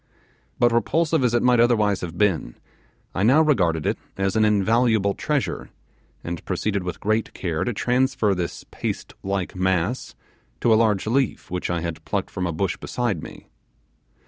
But repulsive as it might otherwise have been, I now regarded it as an invaluable treasure, and proceeded with great care to transfer this paste like mass to a large leaf which I had plucked from a bush beside me.